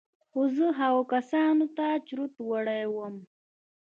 خو زه هغو کسانو ته چورت وړى وم.